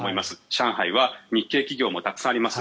上海は日系企業もたくさんあります。